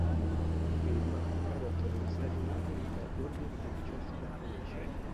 Il film fu prodotto negli Stati Uniti da Goldwyn Pictures Corporation.